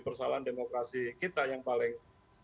persoalan demokrasi kita yang paling